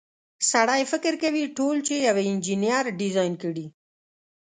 سړی فکر کوي ټول چې یوه انجنیر ډیزاین کړي.